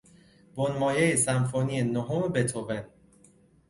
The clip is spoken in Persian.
بنمایهی سمفونی نهم بتهوون